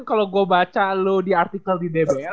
kalau gua baca lu di artikel di dbl